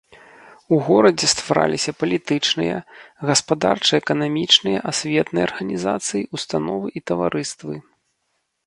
У горадзе ствараліся палітычныя, гаспадарча-эканамічныя, асветныя арганізацыі, установы і таварыствы.